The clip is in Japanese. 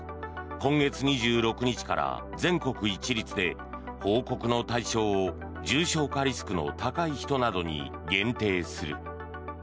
今月２６日から全国一律で報告の対象を重症化リスクの高い人などに限定する。